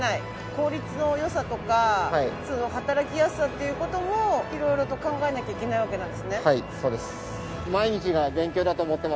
効率の良さとか働きやすさっていう事も色々と考えなきゃいけないわけなんですね。